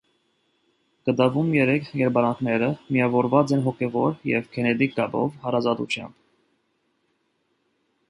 Կտավում երեք «կերպարանքները» միավորված են հոգևոր ու գենետիկ կապով, հարազատությամբ։